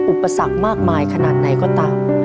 อุปสรรคมากมายขนาดไหนก็ตาม